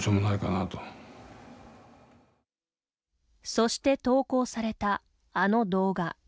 そして投稿された、あの動画。